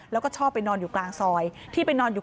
แล้วก็ชอบไปนอนอยู่กลางซอย